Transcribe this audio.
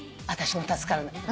私も助かるの。